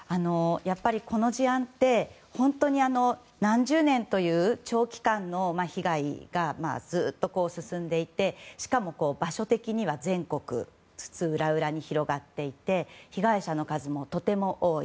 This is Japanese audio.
この事案って本当に何十年という長期間の被害がずっと進んでいてしかも、場所的には全国津々浦々に広がっていて被害者の数もとても多い。